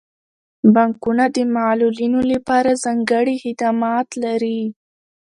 بانکونه د معلولینو لپاره ځانګړي خدمات لري.